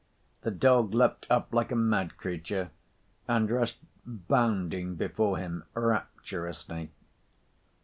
The dog leapt up like a mad creature and rushed bounding before him rapturously.